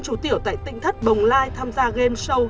năm chú tiểu tại tỉnh thất bồng lai tham gia game show